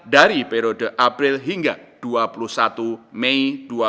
dari periode april hingga dua puluh satu mei dua ribu dua puluh